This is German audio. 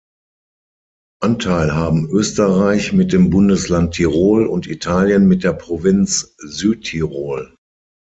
Anteil haben Österreich mit dem Bundesland Tirol und Italien mit der Provinz Südtirol.